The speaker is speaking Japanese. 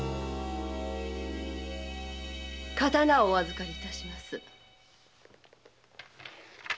刀をお預かりいたします。